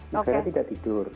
negara tidak tidur